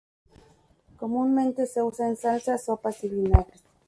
Comúnmente se usa en salsas, sopas y vinagres.